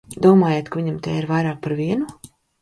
Domājat, ka viņam te ir vairāk par vienu?